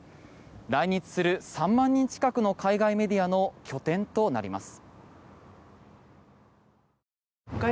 来日する３万人近くの海外メディアの拠点となります。